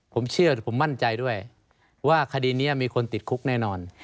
ผมเชื่อแต่ผมมั่นใจด้วยว่าคดีนี้มีคนติดคุกแน่นอน